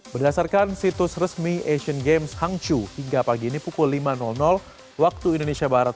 berdasarkan situs resmi asian games hangzhou hingga pagi ini pukul lima waktu indonesia barat